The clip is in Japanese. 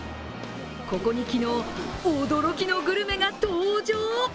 ここに昨日、驚きのグルメが登場。